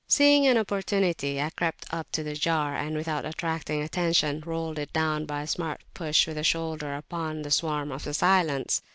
Seeing an opportunity, I crept up to the jar, and, without attracting attention, rolled it down by a smart push with the shoulder upon the swarm of assailants.